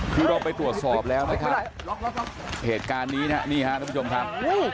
คือเราไปตรวจสอบแล้วนะครับเหตุการณ์นี้นะครับนี่ฮะทุกผู้ชมครับ